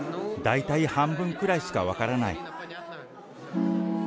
大体半分くらいしか分からない。